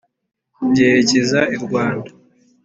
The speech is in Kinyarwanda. byerekeza i rwanda.